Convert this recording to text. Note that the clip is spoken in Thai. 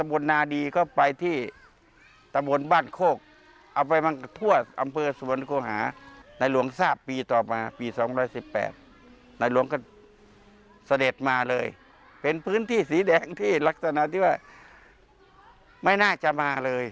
อะไรไปนานสอบปีต่อไปปีสองร้ายสิบแปดไหนลงเจ็บมาเลยเห็นพื้นที่สีแดงพี่รักษณะที่ว่าไม่น่าจะมาเลย